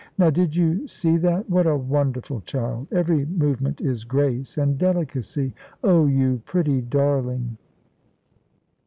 Now did you see that? What a wonderful child! Every movement is grace and delicacy. Oh, you pretty darling!"